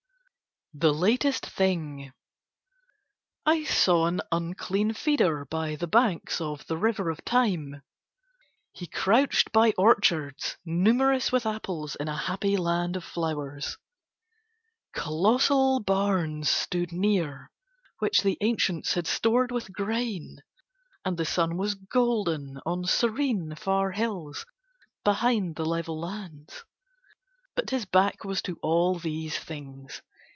THE LATEST THING I saw an unclean feeder by the banks of the river of Time. He crouched by orchards numerous with apples in a happy land of flowers; colossal barns stood near which the ancients had stored with grain, and the sun was golden on serene far hills behind the level lands. But his back was to all these things.